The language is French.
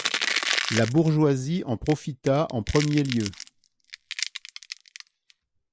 La bourgeoisie en profita en premier lieu.